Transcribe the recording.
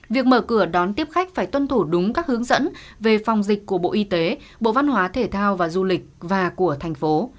việc mở cửa đón tiếp khách phải tuân thủ đúng các hướng dẫn về phòng dịch của bộ y tế bộ văn hóa thể thao và du lịch và của thành phố